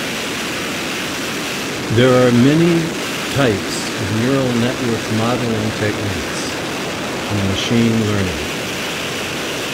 There are many types of Neural Network modelling techniques in machine learning.